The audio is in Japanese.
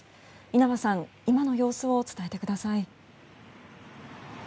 稲葉さん、今の様子を伝えてください。